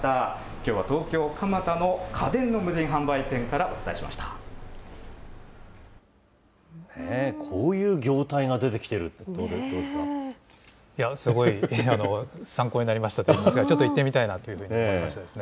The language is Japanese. きょうは東京・蒲田の家電の無人こういう業態が出てきているすごい、参考になりましたといいますか、ちょっと行ってみたいなと思いましたね。